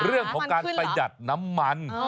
เรื่องของการประหยัดน้ำมัน